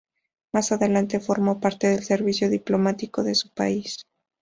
Más adelante formó parte del servicio diplomático de su país.